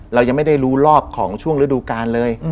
เรายังไม่ได้รู้รอบของช่วงฤดูกาลเลย